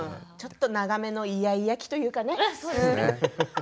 ちょっと長めのいやいや期というかね。